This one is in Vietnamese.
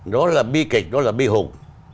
nó là bi kịch nó là bi hùng